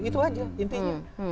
itu aja intinya